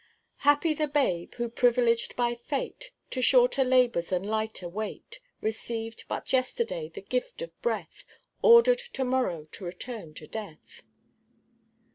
"Happy the babe, who, privileged by fate To shorter labors and a lighter weight, Received but yesterday the gift of breath, Ordered to morrow to return to death."